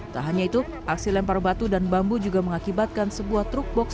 tak hanya itu aksi lempar batu dan bambu juga mengakibatkan sebuah truk box